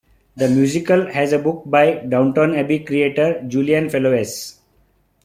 The musical has a book by "Downton Abbey" creator Julian Fellowes.